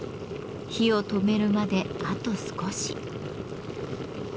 火を止めるまであと少し。